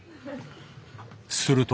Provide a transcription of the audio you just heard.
すると。